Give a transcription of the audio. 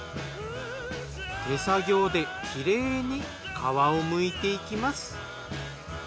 手作業できれいに皮をむいていきます。